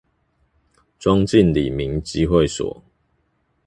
莊敬里民集會所